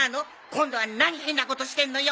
今度は何変なことしてんのよ！